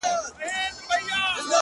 • ښيي ,